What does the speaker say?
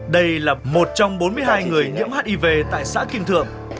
đây là một trong bốn mươi hai người nhiễm hiv tại xã kim thượng